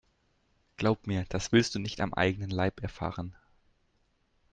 Glaub mir, das willst du nicht am eigenen Leib erfahren.